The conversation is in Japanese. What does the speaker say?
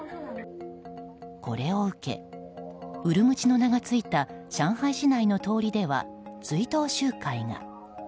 これを受けウルムチの名がついた上海市内の通りでは追悼集会が。